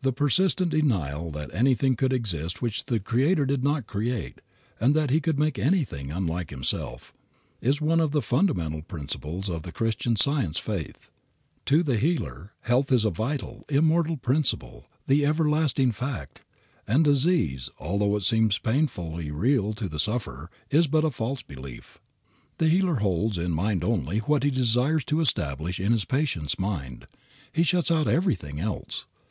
The persistent denial that anything could exist which the Creator did not create, and that He could make anything unlike Himself, is one of the fundamental principles of the Christian Science faith. To the healer health is a vital, immortal principle, the everlasting fact, and disease, although it seems painfully real to the sufferer, is but a false belief. The healer holds in mind only what he desires to establish in his patient's mind. He shuts out everything else.